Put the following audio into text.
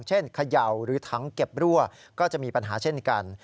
เขย่าหรือถังเก็บรั่วก็จะมีปัญหาเช่นกัน